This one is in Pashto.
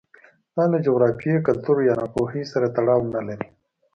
دا له جغرافیې، کلتور یا ناپوهۍ سره تړاو نه لري